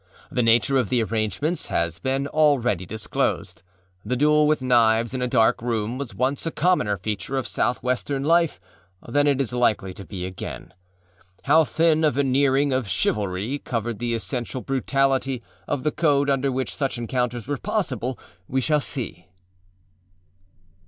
The nature of the arrangements has been already disclosed. The duel with knives in a dark room was once a commoner feature of Southwestern life than it is likely to be again. How thin a veneering of âchivalryâ covered the essential brutality of the code under which such encounters were possible we shall see.